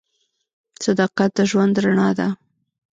صداقت د ژوند رڼا ده.